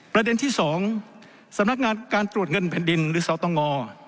ประเด็นที่๒สำนักงานการตรวจเงินแผ่นดินหรือสตง